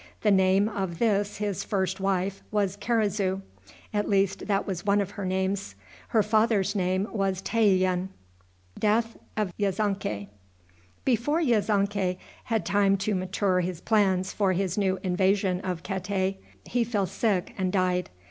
The name of this his first wife was Karizu at least that was one of her names. Her father's name was Tayian. Before Yezonkai had time to mature his plans for his new invasion of Katay, he fell sick and died.